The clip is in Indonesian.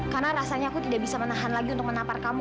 karena rasanya aku tidak bisa menahan lagi untuk menapar kamu